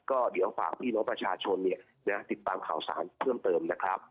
ก็ฝากพี่น้องประชาชนติดตามข่าวสารเพิ่มเติม